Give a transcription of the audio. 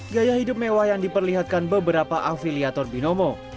gaya hidup mewah yang diperlihatkan beberapa afiliator binomo